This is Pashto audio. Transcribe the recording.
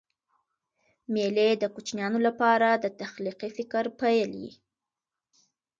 مېلې د کوچنیانو له پاره د تخلیقي فکر پیل يي.